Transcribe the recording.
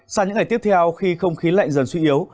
sau những ngày tiếp theo khi không khí lạnh dần suy yếu